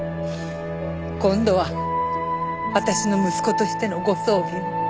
今度は私の息子としてのご葬儀を。